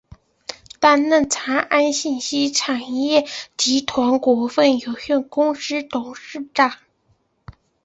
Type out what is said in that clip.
担任长安信息产业集团股份有限公司董事长。